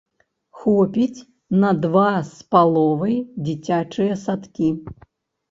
Хопіць на два з паловай дзіцячыя садкі.